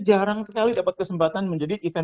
jarang sekali dapat kesempatan menjadi event